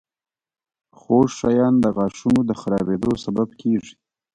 • خوږ شیان د غاښونو د خرابېدو سبب کیږي.